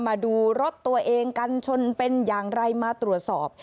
มาดูรถตัวเองกันชนเป็นอย่างไรมาตรวจสอบ